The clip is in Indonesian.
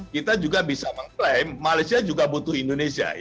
kita juga bisa mengklaim malaysia juga butuh indonesia